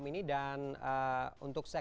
terima kasih banyak banyak